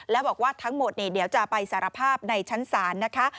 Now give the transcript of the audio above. แล้วบอกว่าทั้งหมดเดี๋ยวจะไปสารภาพในชั้นศาลนะคะ